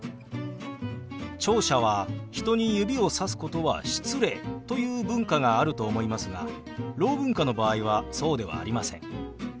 聴者は「人に指をさすことは失礼」という文化があると思いますがろう文化の場合はそうではありません。